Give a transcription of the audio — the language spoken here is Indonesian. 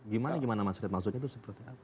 gimana mas freddy maksudnya itu seperti apa